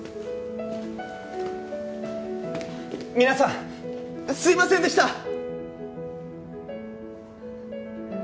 皆さんすいませんでした！